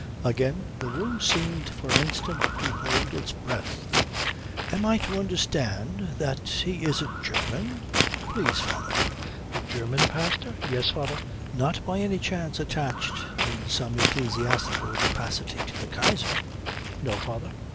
Again the room seemed for an instant to hold its breath. "Am I to understand that he is a German?" "Please, father." "A German pastor?" "Yes, father." "Not by any chance attached in some ecclesiastical capacity to the Kaiser?" "No, father."